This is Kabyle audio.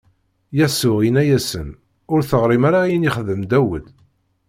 Yasuɛ inna-asen: Ur teɣrim ara ayen i yexdem Dawed?